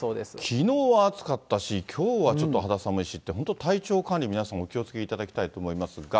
きのうは暑かったし、きょうはちょっと肌寒いしって、本当、体調管理、皆様、お気をつけいただきたいと思いますが。